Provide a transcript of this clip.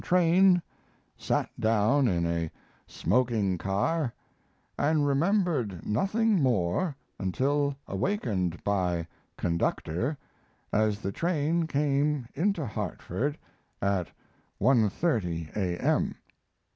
train, sat down in a smoking car, and remembered nothing more until awakened by conductor as the train came into Hartford at 1.30 A.M.